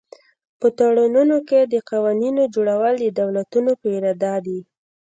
په تړونونو کې د قوانینو جوړول د دولتونو په اراده دي